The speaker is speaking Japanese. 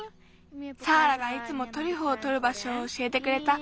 サーラがいつもトリュフをとるばしょをおしえてくれた。